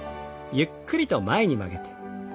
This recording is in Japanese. ゆっくりと前に曲げて。